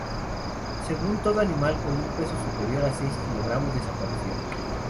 Según todo animal con un peso superior a seis kilogramos desapareció.